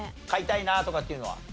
飼いたいなあとかっていうのは？